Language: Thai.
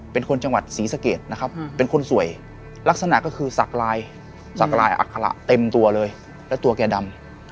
เป็นคนจังหวัดศรีสะเกดนะครับเป็นคนสวยลักษณะก็คือสักลายสักลายอัคระเต็มตัวเลยและตัวแกดำ